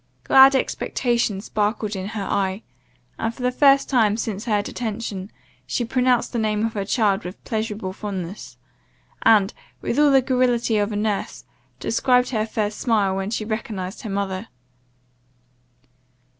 Glad expectation sparkled in her eye; and, for the first time since her detention, she pronounced the name of her child with pleasureable fondness; and, with all the garrulity of a nurse, described her first smile when she recognized her mother.